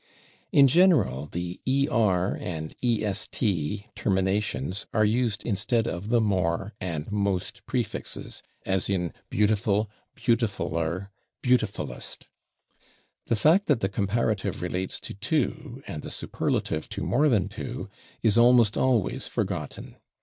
In general, the / er/ and / est/ terminations are used instead of the /more/ and /most/ prefixes, as in /beautiful/, /beautifuller/, /beautifullest/. The fact that the comparative relates to two and the superlative to more than two is almost always forgotten.